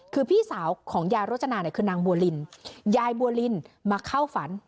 คือพี่สาวของยายรจนาเนี่ยคือนางบัวลินยายบัวลินมาเข้าฝัน